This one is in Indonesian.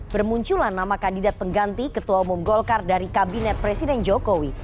bermunculan nama kandidat pengganti ketua umum golkar dari kabinet presiden jokowi